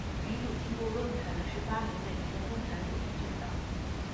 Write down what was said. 民主进步论坛是巴林的一个共产主义政党。